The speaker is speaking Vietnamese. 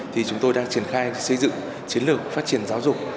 thì chúng tôi đang triển khai xây dựng chiến lược phát triển giáo dục